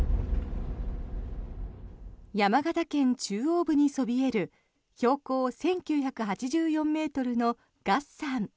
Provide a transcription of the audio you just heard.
山形県中央部にそびえる標高１９８４ｍの月山。